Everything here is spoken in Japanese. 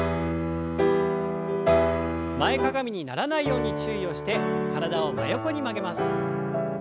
前かがみにならないように注意をして体を真横に曲げます。